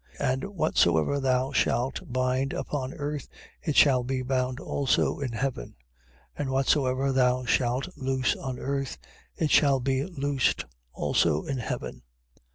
And whatsoever thou shalt bind upon earth, it shall be bound also in heaven: and whatsoever thou shalt loose on earth, it shall be loosed also in heaven.